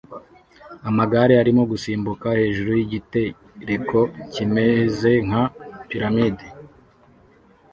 Amagare arimo gusimbuka hejuru yigitereko kimeze nka piramide